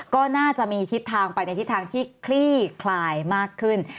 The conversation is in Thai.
ก็น่าจะมีทิศทางไปในทิศทางที่คลี่คลายมากขึ้น